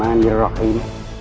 alhamdulillah alahumma whalaer